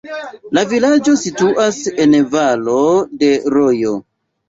La vilaĝo situas en valo de rojo.